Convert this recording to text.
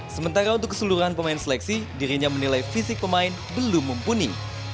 sementara untuk keseluruhan pemain seleksi dirinya menilai fisik pemain belum mumpuni